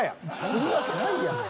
するわけないやろ。